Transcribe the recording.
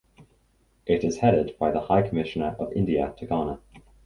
It is headed by the High Commissioner of India to Ghana.